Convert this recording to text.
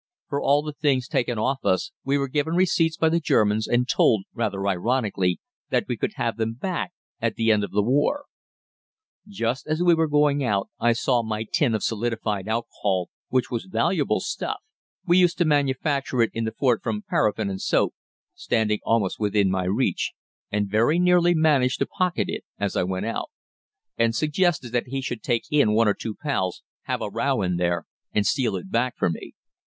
For all the things taken off us we were given receipts by the Germans and told, rather ironically, that we could have them back at the end of the war. Just as we were going out I saw my tin of solidified alcohol, which was valuable stuff (we used to manufacture it in the fort from paraffin and soap), standing almost within my reach, and very nearly managed to pocket it as I went out. However, I found Decugis outside, and explained to him the position of the tin, and suggested that he should take in one or two pals, have a row in there, and steal it back for me.